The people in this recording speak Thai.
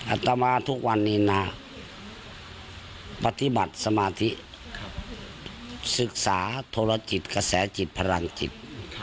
อัตมาทุกวันนี้นะปฏิบัติสมาธิศึกษาจิตพลังจิต